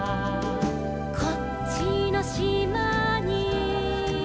「こっちのしまに」